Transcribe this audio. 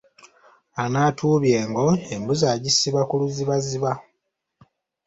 Anaatuubya engo, embuzi agisiba ku luzibaziba.